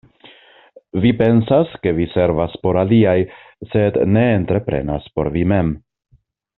Vi pensas, ke vi servas por aliaj, sed ne entreprenas por vi mem!